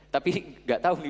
tapi gak tau nih